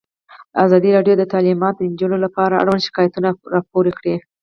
ازادي راډیو د تعلیمات د نجونو لپاره اړوند شکایتونه راپور کړي.